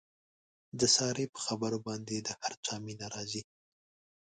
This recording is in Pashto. د سارې په خبرو باندې د هر چا مینه راځي.